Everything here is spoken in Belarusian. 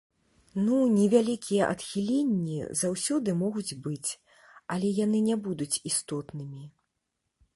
Ну, невялікія адхіленні заўсёды могуць быць, але яны не будуць істотнымі.